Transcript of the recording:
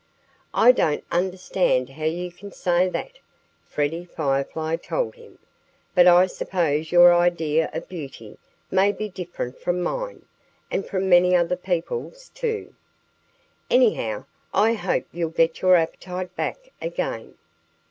"I don't understand how you can say that," Freddie Firefly told him. "But I suppose your idea of beauty may be different from mine and from many other people's, too. Anyhow, I hope you'll get your appetite back again."